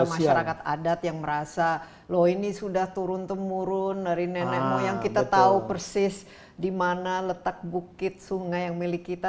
ada masyarakat adat yang merasa loh ini sudah turun temurun dari nenekmu yang kita tahu persis di mana letak bukit sungai yang milik kita